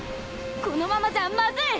このままじゃまずい！